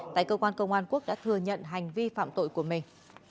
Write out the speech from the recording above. tại cơ quan công an quốc đã thừa nhận hành vi phạm tội của mình